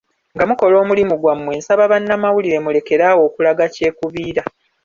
Nga mukola omulimu gwammwe nsaba bannamawulire mulekerawo okulaga kyekubiira .